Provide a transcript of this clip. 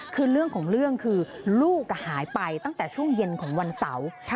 คือเรื่องของเรื่องคือลูกหายไปตั้งแต่ช่วงเย็นของวันเสาร์